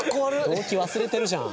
動機忘れてるじゃん。